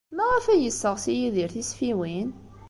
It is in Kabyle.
Maɣef ay yesseɣsi Yidir tisfiwin?